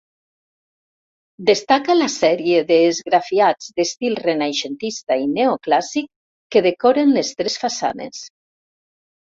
Destaca la sèrie d'esgrafiats d'estil renaixentista i neoclàssic, que decoren les tres façanes.